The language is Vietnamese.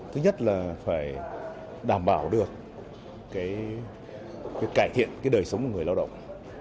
thứ nhất là phải đảm bảo được cải thiện cái đời sống của người lao động